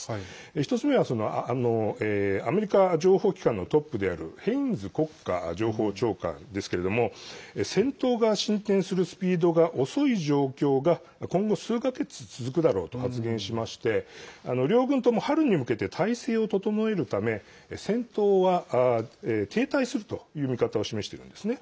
１つ目はアメリカ情報機関のトップであるヘインズ国家情報長官ですけれども戦闘が進展するスピードが遅い状況が今後、数か月続くだろうと発言しまして両軍とも春に向けて態勢を整えるため戦闘は停滞するという見方を示しているんですね。